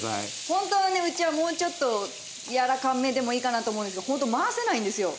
ホントはねうちはもうちょっとやわらかめでもいいかなと思うんですけどホント回せないんですよ